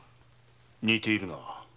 似ているな。